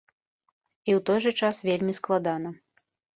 І ў той жа час вельмі складана.